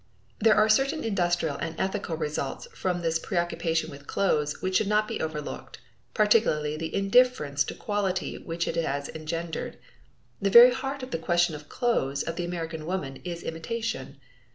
There are certain industrial and ethical results from this preoccupation with clothes which should not be overlooked, particularly the indifference to quality which it has engendered. The very heart of the question of clothes of the American woman is imitation.